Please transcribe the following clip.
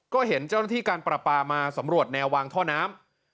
ก็เห็นเจ้าหน้าที่การประปามาสำรวจแนววางท่อน้ำ